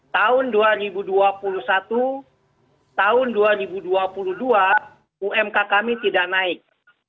tahun dua ribu dua puluh satu tahun dua ribu dua puluh dua umk kami tidak naik